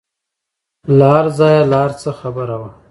له هرځايه له هرڅه خبره وه.